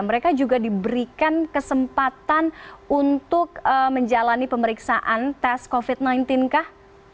mereka juga diberikan kesempatan untuk menjalani pemeriksaan tes covid sembilan belas kah